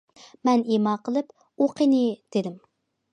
مەن ئىما قىلىپ،« ئۇ قېنى» دېدىم.